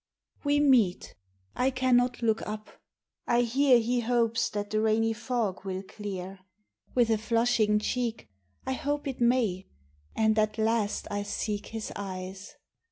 88 WE meet. I cannot look up ; I hear He hopes that the rainy fog will clear : With a flushing cheek, I hope it may, And at last I seek his eyes.